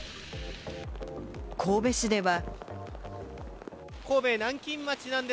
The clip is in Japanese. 神戸市では。